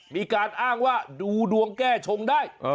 มีการอ้างว่าดูดวงแก้ชงได้